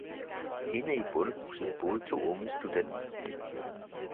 Inde i bondehuset boede to unge studenter.